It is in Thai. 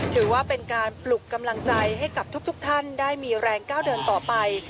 ถือว่าเป็นการปลุกกำลังใจให้กับทุกท่านได้มีแรงก้าวเดินต่อไป